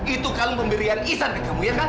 itu kalung pemberian ihsan bagi kamu ya kan